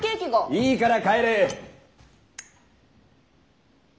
いいから帰れッ。